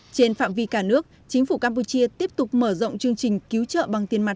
trên phạm vi cả nước chính phủ campuchia tiếp tục mở rộng chương trình cứu trợ bằng tiền mặt